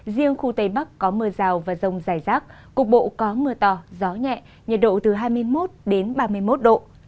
riêng khu tây bắc có mưa rào và rông dài rác cục bộ có mưa to gió nhẹ nhiệt độ từ hai mươi một đến ba mươi một độ